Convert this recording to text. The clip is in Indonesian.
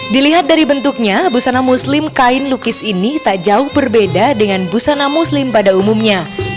dilihat dari bentuknya busana muslim kain lukis ini tak jauh berbeda dengan busana muslim pada umumnya